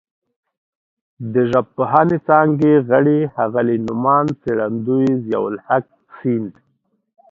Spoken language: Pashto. د ژبپوهنې څانګې غړي ښاغلي نوماند څېړندوی ضیاءالحق سیند